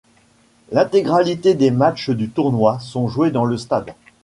L'intégralité des matchs du tournoi sont joués dans le stade.